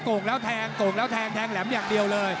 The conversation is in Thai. โก่งแล้วแทงโก่งแล้วแทงแทงแหลมอย่างเดียวเลย